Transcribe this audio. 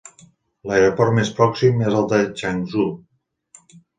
L'aeroport més pròxim és el de Changzhou.